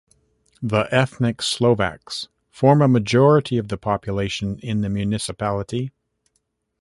The ethnic Slovaks form a majority of the population in the municipality.